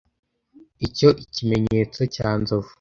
icyo Ikimenyetso cya Nzovu